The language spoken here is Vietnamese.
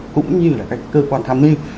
cũng như là các cơ quan tham nghi